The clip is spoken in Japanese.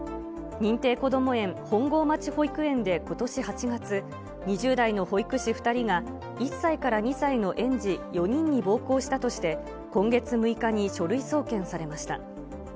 認定こども園本郷町保育園でことし８月、２０代の保育士２人が１歳から２歳の園児４人に暴行したとして、今月６日に書類送検されました。